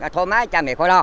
thôi mái cha mẹ khỏi lo